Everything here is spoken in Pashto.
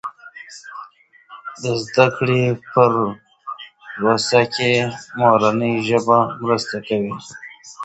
د زده کړې په پروسه کې مورنۍ ژبه مرسته کوي.